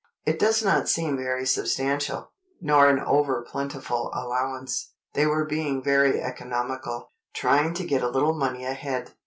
It does not seem very substantial, nor an over plentiful allowance. They were being very economical, trying to get a little money ahead.